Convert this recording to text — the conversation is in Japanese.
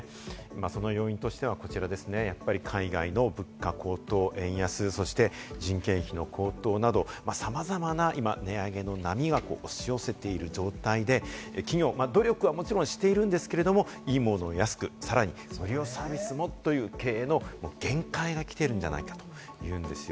その要因としてはこちらですね、やっぱり海外の物価高騰、円安そして人件費の高騰など、さまざまな値上げの波が押し寄せている状態で、企業は努力をもちろんしているんですけれども、いいものを安く、さらに無料サービスもという経営のもう限界が来ているんじゃないかと言うんですよ。